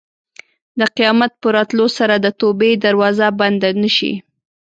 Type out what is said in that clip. د قیامت په راتلو سره د توبې دروازه بنده نه شي.